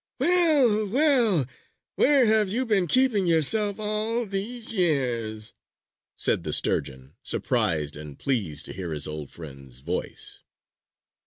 "Well, well! Where have you been keeping yourself all these years," said the Sturgeon, surprised and pleased to hear his old friend's voice.